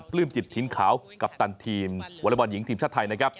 ลื้มจิตถิ่นขาวกัปตันทีมวอเล็กบอลหญิงทีมชาติไทยนะครับ